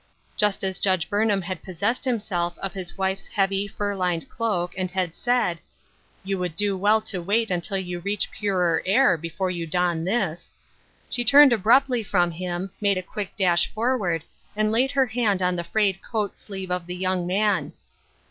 Just as Judge Burn ham had possessed himself of his wife's heavy, fur lined cloak, and had said, " You would do well to wait until you reach purer air before you don this," she turned abruptly from him, made a quick dash forward, and laid her hand on the frayed coat sleeve of the young man.